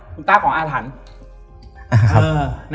คุณตาของอาถรรพ์